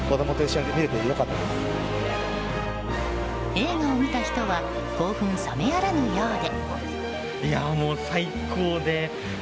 映画を見た人は興奮冷めやらぬようで。